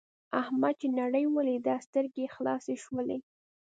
احمد چې نړۍ ولیدله سترګې یې خلاصې شولې.